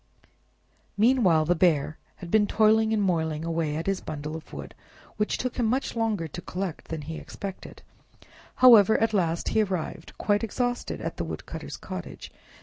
Meanwhile the Bear had been toiling and moiling away at his bundle of wood, which took him much longer to collect than he expected; however, at last he arrived quite exhausted at the woodcutter's cottage.